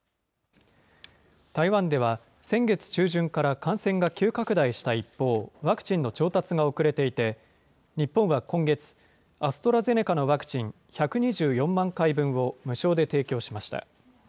台湾では、先月中旬から感染が急拡大した一方、ワクチンの調達が遅れていて、日本は今月、アストラゼネカのワクチン１２４万回分を無償で提供しました。